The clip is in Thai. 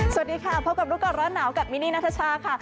สวัสดีค่ะพบกับรู้คนรถหนาวกับมินีนาทชาค่ะ